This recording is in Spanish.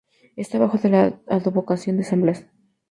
Está bajo la advocación de San Blas.